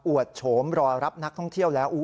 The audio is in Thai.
วดโฉมรอรับนักท่องเที่ยวแล้ว